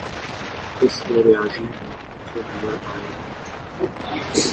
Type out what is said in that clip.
اس کے ریاضی میں اچھے نمبر آئے ہیں